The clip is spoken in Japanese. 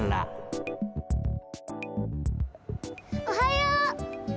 おはよう！